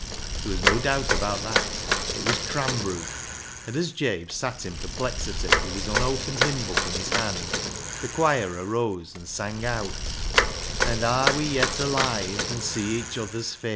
There was no doubt about that, it was Cranbrook, and as Jabe sat in perplexity with his unopened hymn book in his hand, the choir arose and sang out —" And are we yet alive And see each other's face."